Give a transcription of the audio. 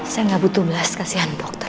saya gak butuh belas kasihan dokter